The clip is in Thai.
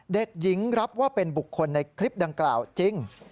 เด็กหญิงรับว่าเป็นบุคคลในคลิปดังกล่าวจริง